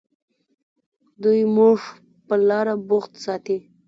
دوی موږ پر لاره بوخت ساتي.